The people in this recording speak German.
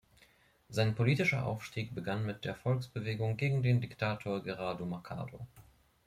Sein politischer Aufstieg begann mit der Volksbewegung gegen den Diktator Gerardo Machado.